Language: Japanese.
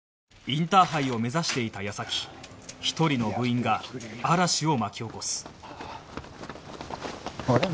インターハイを目指していた矢先１人の部員が嵐を巻き起こすあれ？